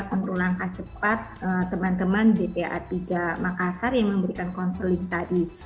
perlu langkah cepat teman teman bpa tiga makassar yang memberikan konseling tadi